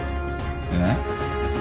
えっ？